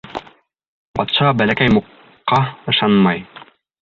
Батша Бәләкәй Мукҡа ышанмай.